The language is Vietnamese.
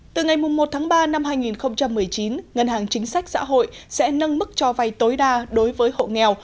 từ ngày một tháng ba năm hai nghìn một mươi chín ngân hàng chính sách xã hội sẽ nâng mức cho vay tối đa đối với hộ nghèo